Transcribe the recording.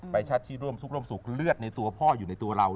ชัดที่ร่วมทุกข์ร่วมสุขเลือดในตัวพ่ออยู่ในตัวเรา